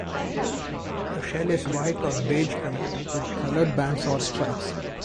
The shell is white or beige-colored with colored bands or stripes.